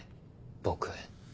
僕。